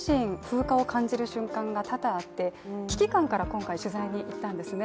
私自身、風化を感じる瞬間が多々あって危機感から今回、取材に行ったんですね。